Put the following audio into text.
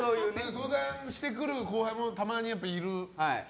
相談してくる後輩もたまにいる？